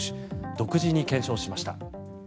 独自に検証しました。